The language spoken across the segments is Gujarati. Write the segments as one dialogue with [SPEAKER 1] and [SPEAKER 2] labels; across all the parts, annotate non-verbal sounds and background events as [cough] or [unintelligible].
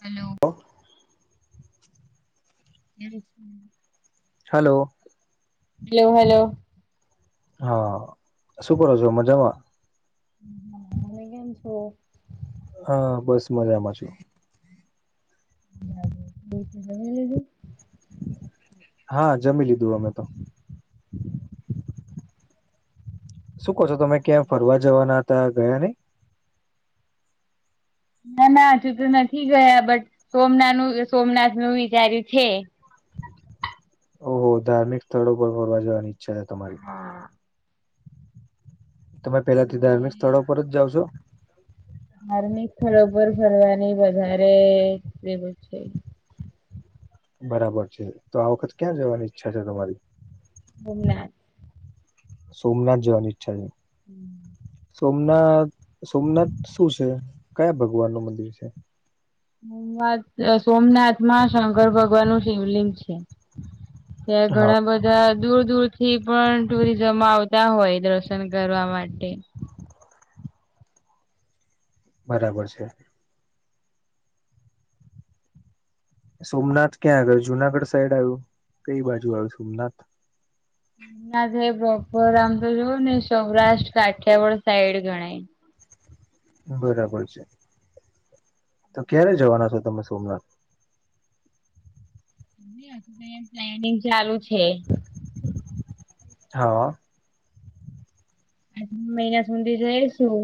[SPEAKER 1] Hello,
[SPEAKER 2] [inaudible]
[SPEAKER 1] [inaudible]
[SPEAKER 2] hello.
[SPEAKER 1] Hello hello.
[SPEAKER 2] હા શું કરો છો મજામાં?
[SPEAKER 1] તમે કેમ છો?
[SPEAKER 2] હા બસ મજામાં છું
[SPEAKER 1] [unintelligible] બીજું જમી લીધું?
[SPEAKER 2] હા જમી લીધું અમે તો, શું કહો છો તમે ક્યાં ફરવા જવાના હતા ગયા નઈ?
[SPEAKER 1] ના ના હજુ તો નથી ગયા બટ સોમનાનું સોમનાથનું વિચાર્યું છે.
[SPEAKER 2] ઓહો ધાર્મિક સ્થળો પર ફરવા જવાની ઈચ્છા છે, તમારી
[SPEAKER 1] હા.
[SPEAKER 2] તમે પેલાથી ધાર્મિક સ્થળો પર જ જાવ છો?
[SPEAKER 1] ધાર્મિક સ્થળો પર ફરવાની વધારે પેલું છે.
[SPEAKER 2] બરાબર છે, તો આ વખત ક્યાં જવાની ઈચ્છા છે, તમારી?
[SPEAKER 1] [inaudible]
[SPEAKER 2] સોમનાથ જવાની ઈચ્છા છે. સોમનાથ સોમનાથ શું છે. કયા ભગવાનનું મંદિર છે.
[SPEAKER 1] સોમનાથ સોમનાથમાં શંકર ભગવાનનું શિવલિંગ છે. ત્યાં
[SPEAKER 2] હા
[SPEAKER 1] ઘણા બ બધા દૂર દૂરથી પણ ટુરિઝમ આવતા હોય દર્શન કરવા માટે
[SPEAKER 2] બરાબર છે. સોમનાથ ક્યાં આગળ જુનાગઢ સાઈડ આવ્યું કઈ બાજુ આવે સોમનાથ?
[SPEAKER 1] ના થયુ પ્રોપર આમ તો જોવો ને સૌરાષ્ટ્ર કાઠિયાવાડ સાઈડ ગણાય
[SPEAKER 2] બરાબર છે, તો ક્યારે જવાના છો તમે સોમનાથ
[SPEAKER 1] ની હજુ મેં પ્લાનિંગ ચાલુ છે.
[SPEAKER 2] હા,
[SPEAKER 1] [unintelligible] સુધી જઈશું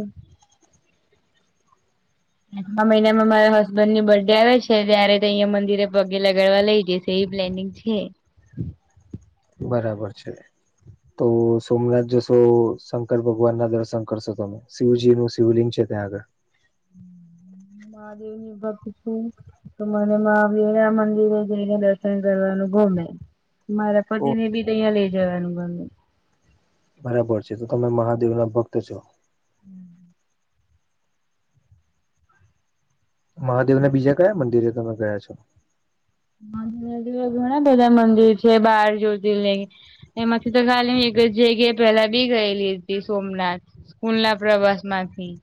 [SPEAKER 1] આઠમા મહિનામાં મારા હસબન્ડની બર્થ ડે આવે છે, ત્યારે તે અહિયાં મંદિરે પગે લગાવા લઇ જઈશ તેવી પ્લનિંગ છે.
[SPEAKER 2] બરાબર છે. તો સોમનાથ જશો શંકર ભગવાનના દર્શન કરશો તમે, શિવજીનું શિવલિંગ છે, ત્યાં આગળ
[SPEAKER 1] મહાદેવની ભકત છું તો મને મહાવીરરામ મંદિરે જઈને દર્શન કરવાનું ગમેં મારા
[SPEAKER 2] ઓ
[SPEAKER 1] પતિને બી ત્યાં લઈ જવાનું ગમે
[SPEAKER 2] બરાબર છે, તો તમે મહાદેવના ભક્ત છો?
[SPEAKER 1] હમ.
[SPEAKER 2] મહાદેવના બીજા કયા મંદિરે તમે ગયા છો?
[SPEAKER 1] [unintelligible] ઘણા બધા મંદિર છે, બાર જ્યોતિ [unintelligible] એમાંથીતો ખાલી એક જગ્યા પેલા બી ગયેલી હતી સોમનાથ, સ્કૂલના પ્રવાસમાંથી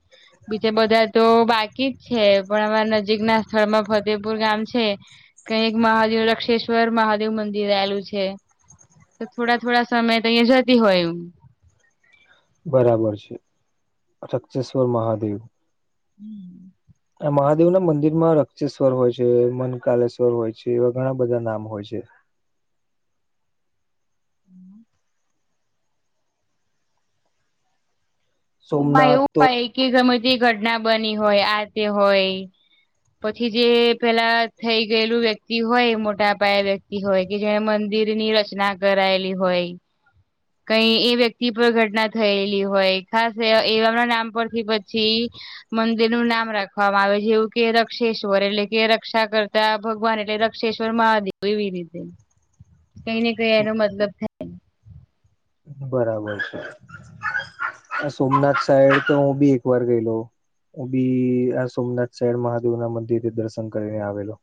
[SPEAKER 1] બીજ બધા તો બાકી જ છે પણ અમારા નજીક ના સ્થળમાં ફતેહપુર ગામ છે. કઈ એક મહાદેવ રક્ષેશ્વર મહાદેવ મંદિર આવેલું છે. તો થોડા થોડા સમય તો અહીિયાયા જતી હોય એમ
[SPEAKER 2] બરાબર છે રક્ષેશ્વર મહાદેવ
[SPEAKER 1] હમ
[SPEAKER 2] આ મહાદેવ ના મંદિર માં રક્ષેશ્વર હોય છે મનકાલેશ્વર હોય છે એવા ઘણા બધા નામ હોય છે
[SPEAKER 1] એમાં
[SPEAKER 2] સોમનાથ
[SPEAKER 1] એવું
[SPEAKER 2] તો
[SPEAKER 1] હોય કે ગમે તે ઘટના બની હોય આ તે હોય. પછી જે પેલા થઈ ગયેલું વ્યક્તિ હોય મોટા પાયે વ્યક્તિ હોય કે જેને મંદિરની રચના કરાયેલી હોય. કઈ એ વ્યક્તિ પર ઘટના થયેલી હોય. ખાસ એવામના નામ પરથી પછી. મંદિરનુંું નામ રાખવામાં આવે જેવું કે રક્ષેશ્વર એટલે કે રક્ષા કર ભગવાન એટલે રક્ષેશ્વર મહાદેવ એવી રીતે કઈ ને કઈ એનો મતલબ થાય.
[SPEAKER 2] બરાબર છે સોમનાથ સાઈડ તો હું બી એક વાર ગયેલો ઉ બી આ સોમનાથ સાહેર મહાદેવ ના મંદિર દર્શન કરીને આવેલો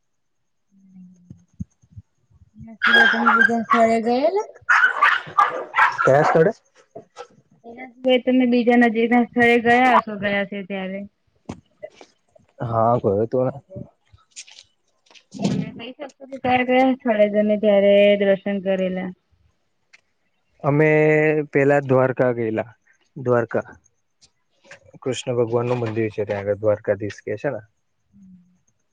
[SPEAKER 1] જદન બીજા સ્થળે ગયે.
[SPEAKER 2] કેસડે
[SPEAKER 1] એના સિવાય તમે બીજા નજીક ના સ્થળે ગયા હ છો ગયા છે, ત્યારે
[SPEAKER 2] હા કો તો
[SPEAKER 1] મ શ ત છડ દને તારે દર્શન કરલા
[SPEAKER 2] અમે પેલા દ્વારકા ગયેલા દ્વારકા કૃષ્ણ ભગવાન નું મંદિર છે ત્યાં આગળ દ્વારકાધીશ કે છને.
[SPEAKER 1] હમ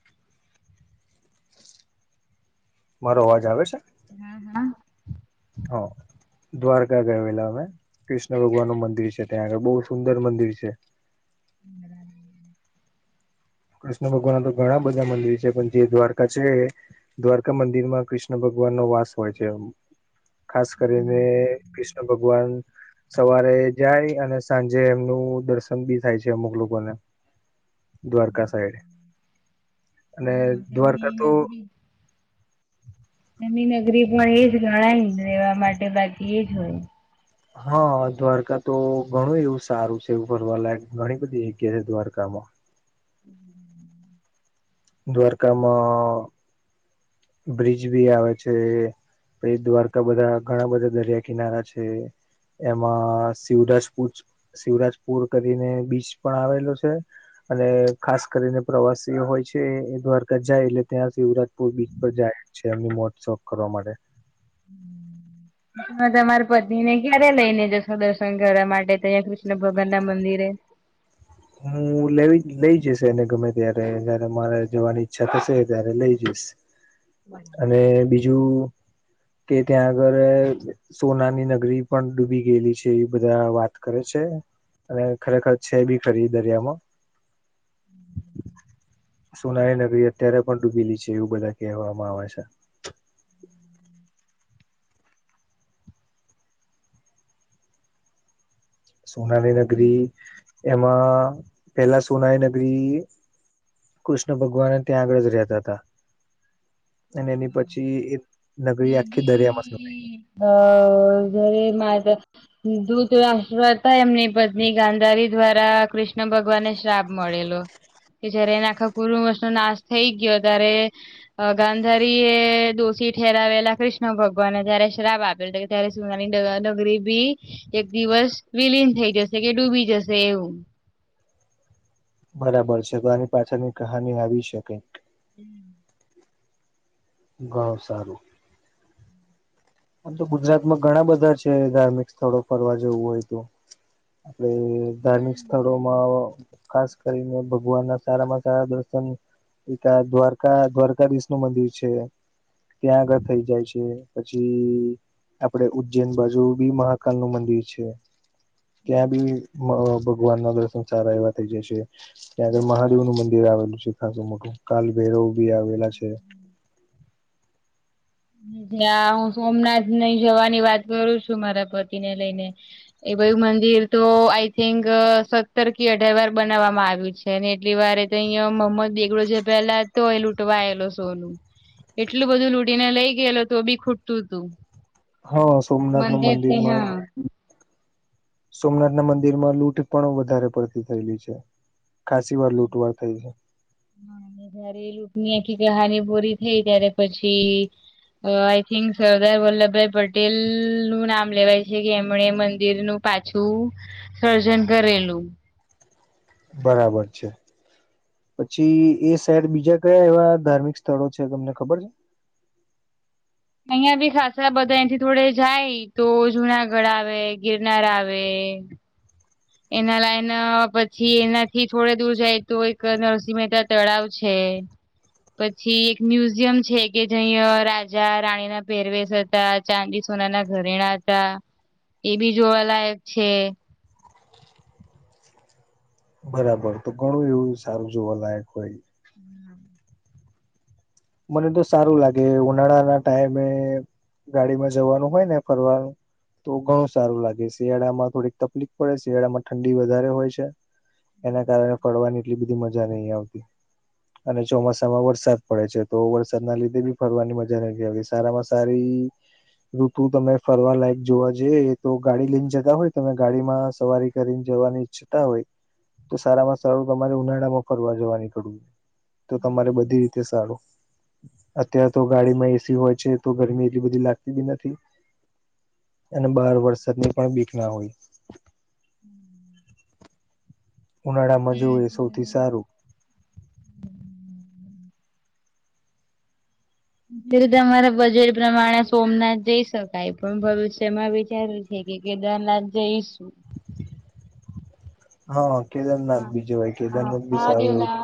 [SPEAKER 2] મારો અવાજ આવે છે.
[SPEAKER 1] હા હા
[SPEAKER 2] હા દ્વારકા ગયલા અમે કૃષ્ણ ભગવાન નું મંદિર છે ત્યાં આગળ બહુ સુંદર મંદિર છે.
[SPEAKER 1] હરા
[SPEAKER 2] કૃષ્ણ ભગવાન તો ઘણા બધા મંદિર છે પણ જે દ્વારકા છે. દ્વારકા મંદિર માં કૃષ્ણ ભગવાન નો વાસ હોય છે. ખાસ કરીને કૃષ્ણ ભગવાન સવારે જાય અને સાંજે એમનું દર્શન બી થાય છે અમુક લોકોને દ્વારકા સાઈડ અને
[SPEAKER 1] હા તેમની
[SPEAKER 2] દ્વારકા તો
[SPEAKER 1] નની નગરી પણ એ જ ગણાયને રહેેવા માટે બાકી એ જ હોય.
[SPEAKER 2] હા દ્વારકા તો ઘણું એવું સારું છે એવું ફરવાલાયક ઘણી બધી જગ્યા છે દ્વારકામાં
[SPEAKER 1] હમ્મ
[SPEAKER 2] દ્વવારકામાં બ્રિજ બી આવે છે પ દ્વારકા બધા ઘણા બધા દરિયા કિનારા છે. એમાં શિવરાજપુર શિવરાજપુર કરીને બીચ પણ આવેલો છે. અને ખાસ કરીને પ્રવાસી હોય છે, દ્વારકા જાય એટલે ત્યાં શિવરાજપુર બી તો જાય જ છે, એમની મોટસપ કરવા માટે
[SPEAKER 1] તમે તમાર પત્નીને ક્યારે લઈ ને જશો દર્શન કરવા માટે અહં કૃષ્ણ ભગવાન ના મંદિરે
[SPEAKER 2] હું લે લઈ જઈશ એને ગમે ત્યારે જયારે મારે જવાની ઈચ્છા થશે ત્યારે લઈ જઈશ.
[SPEAKER 1] બરાબર
[SPEAKER 2] અને બીજું કે ત્યાં આગળ સોનાની નગરી પણ ડૂબી ગયેલી છે એવી બધા વાત કરે છે. અને ખરેખર છે, બી ખરી દરિયામાં સોનાલી નગરી અત્યારે પણ ડૂબીલી છે એવું બધા કહેવામાં આવે છે. સોનાની નગરી એમાં પેલા સોનાની નગરી. કૃષ્ણ ભગવાન ત્યાં આગળ જ રહેતા હતા અને એની પછી
[SPEAKER 1] મે
[SPEAKER 2] નગરી આખી દરિયામાં
[SPEAKER 1] બી અ ઘરે મા દૂત રાષ્ટ્ર હતા એમની પત્ની ગાંધારી દ્વારા કૃષ્ણ ભગવાનને શ્રાાવ મળેલો કે જયારે એને આખા કુરુમશ નો નાશ થઈ ગયો ત્યારે. અ ગાંધારી એ દોષી. ઠેરાવેલા કૃષ્ણ ભગવાનને જય્યારે શ્રાપ આપેલો ત્યારે સુનાની ડગરી બી. એક દિવસ વિલીન થઈ જશે કે ડૂબી જશે એવું.
[SPEAKER 2] બરાબર છે તો આની પાછળની કહાની આવી શકે.
[SPEAKER 1] હમ.
[SPEAKER 2] ગ સારું. આમ તો ગુજરાત માં ઘણા બધા છે ધાર્મિક સ્થળો ફરવા જવું હોય તો. આપડ
[SPEAKER 1] ઘણા
[SPEAKER 2] ધાર્મિક
[SPEAKER 1] બધા
[SPEAKER 2] સ્થળોમાં.
[SPEAKER 1] એવા
[SPEAKER 2] ખાસ કરીને ભગવાન ના સારામાં સારા દર્શન. એક આ દ્વારકા દ્વારકાધીશ નું મંદિર છે ત્યાં આગળ થઇ જાય છે પછી. આપડે ઉજ્જૈન બાજુ બી મહાકાલ નું મંદિર છે. ક્યાં બી ભગવાન ના દર્શન સારા એવા થઈ જશે. ત્યારે મહાદેવ નું મંદિર આવેલું છે ખાસું મોટું કાલભૈરવ બી આવેલા છે.
[SPEAKER 1] જ હું સોમનાથ નઈ જવાની વાત કરું છું મારા પતિને લઈને. એ બય મંદિર તો આઈ થિક સત્તર કે અઢાર વાર બનાવવામાં આવ્યું છે. ને એટલી વારે તો અહં મમ્મ જ દ બેગડો છે પેલા તોય લૂટવાયેલો સોનું. એટલું બધું લૂડીને લઈ ગયેલું હતું અ બી ખૂટતું હતું.
[SPEAKER 2] હા સોમનાથ નું મંદિરમાં. સોમનાથ ના મંદિર માં લૂંટ પણ વધારે પડતી થયેલી છે. કાશી વાર લૂટવાર થઈ છે.
[SPEAKER 1] હા જયારે લૂકની આખી કહાની પૂરી થઈ ત્યારે પછી. આઈ થિંક સરદાર વલ્લભભાઈ પટેલ નું નામ લેવાય છે કે એમણે મંદિરનું. પાછું સર્જન કરેલું.
[SPEAKER 2] બરાબર છે. પછી એ શહેર બીજા કયા એવા ધાર્મિક સ્થળો છે તમને ખબર છે.
[SPEAKER 1] અહિયાં બી ખાસ બધા અહીંથી થોડે જાય તો જુનાગઢ આવે ગિરનાર આવે. એના લાઈન પછી એનાથી થોડે દૂર જાય તો એક નરસિંહ મહેતા તળાવ છે. પછી એક મ્યુઝિયમ છે કે જહં રાજા રાણીના પેરવે. ચાંદ સોના ના ઘરેણા હતા એ બી જોવાલાયક છે.
[SPEAKER 2] બરાબર તો ઘણું એવું સારું જોવા લયક હોય.
[SPEAKER 1] હમ.
[SPEAKER 2] મને તો સારું લાગે ઉનાળા ના ટાઈમે ગાડીમાં જવાનું હોય ને ફરવાનું. તો ઘણું સારું લાગે શિયાળામાં થોડીક તકલીફ પડે શિયાળામાં ઠંડી વધારે હોય છે. એના કારણે ફડવાની એટલી બધી મજા નહીં આવતી અને ચોમાસામાં વરસાદ પડે છે. તો વરસાદ ના લીધે બી ફરવાની મજા નથી આવતી સારામાં સારી. ઋતુ તમે ફરવા લાયક જોવા જઈએ એ તો ગાડી લઈને જતા હોય તમે ગાડીમાં સવારી. કરીને જવાની ઈચ્છતા હોય તો સારામાં સારું તમારે ઉનાળા માં ફરવા જવાની કડવું જો. તો તમારે બધી રીતે સારું. અત્યારેાર તો ગાડી માં એસી હોય છે તો ગરમી એટલી બધી લાગતી બી નથી. અને બાર વરસાદની પણ બીક ના હોય.
[SPEAKER 1] હમ્.
[SPEAKER 2] ઉનાળામાં જો એ સૌથી સારું.
[SPEAKER 1] જે રીતે અમારા બજેટ પ્રમાણે સોમનાથ જઈ શકાય પણ ભવિષ્યમાં વિચાર. હે કે દના જે ઇશું.
[SPEAKER 2] હા કેદારનાથ
[SPEAKER 1] હા
[SPEAKER 2] બીજવાય કેદારનાથ બી સારું એવું છે.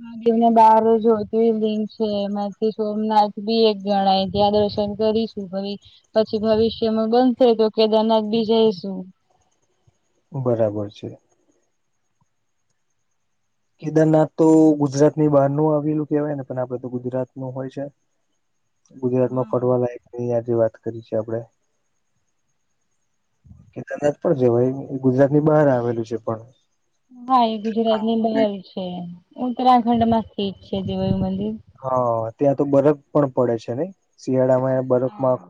[SPEAKER 1] માગીર ને બાર જ્યોતિર્લિંગ છે એમાંથી સોમનાથ બી એક ગણાય ત્યાં દર્શન કરીશ. પછી ભવિષ્યમાં બંધ થાય તો કેદારનાથ બી જાયશું.
[SPEAKER 2] બરાબર છે. કેદારનાથ તો ગુજરાત ની બહાર ન આવેલું કેહેવાય ને પણ આપડે તો ગુજરાત નું હોય છે. ગુજરાત માં ફરવા લની આજે વાત કરી છે આપડે કે તના જ પણ જેાઈ ગુજરાત ની બહાર આવેલું છે પણ
[SPEAKER 1] હા એ ગુજરાત ની બહર છે ઉત્તરાખંડ માં સ્થિત છે દેવાયુ મંદિર.
[SPEAKER 2] હા ત્યાં તો બરફ પણ પડે છે ને શિયાળામાં બરફમાં
[SPEAKER 1] હા.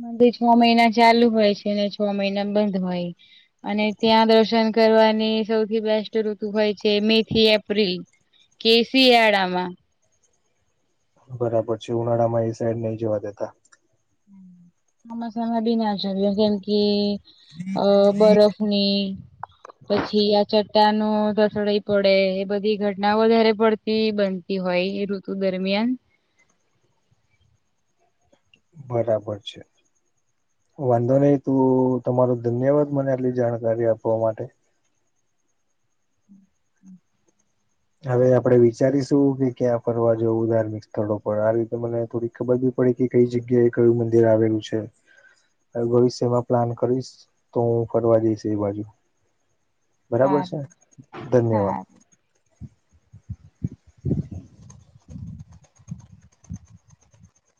[SPEAKER 1] મંદિર છ મહિના ચાલુ હોય છે અને છ મહિના બંધ હોય. અને ત્યાં દર્શન કરવાની સૌથી બેસ્ટ ઋતુ હોય છે મે થી એપ્રિલ. કે શિયાળામાં.
[SPEAKER 2] બરાબર છે ઉનાળામાં એ સાઈડ નહી જવા દેતા.
[SPEAKER 1] હ મસામાં બી ના આચારઓ કેમકી અ બરફ અને પછી આ ચટ્ટા ન ધસડાઈ પડે એ બધી ઘટનાઓ વધારે પડ બનતી હોય એ ઋતુ દરમિયાન
[SPEAKER 2] બરાબર છે. વાંધો નહી તું તમારો ધન્યવાદ મને આટલી જાણકારી આપવા માટે.
[SPEAKER 1] [inaudible]
[SPEAKER 2] હવે આપડે વિચારીશું કે ક્યાં ફરવા જવું ધાર્મિક સ્થળો પર આ રીતે મને થોડી ખબર બી પડે કે કઈ જગ્યાએ કયું મંદિર આવેલું છે. ભવિષ્યમાં પ્લાન કરીશ તો હું ફરવા જઈશ એ બાજુ. બરાબર છે
[SPEAKER 1] સારું
[SPEAKER 2] ધન્યવાદ.
[SPEAKER 1] સારું